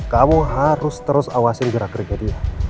kamu harus terus awasin gerak geriknya dia